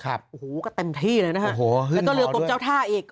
โอ้โหมีแต่เต็มที่เลยนะคะแล้วก็เรือกลมเจ้าท่าอีก